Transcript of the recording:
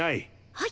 はい！